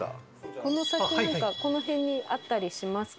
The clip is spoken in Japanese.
この先なんかこの辺にあったりしますか？